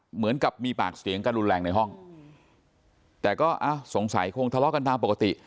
เหมือนกับมีปากเสียงกันรุนแรงในห้องแต่ก็สงสัยคงทะเลาะกันตามปกติ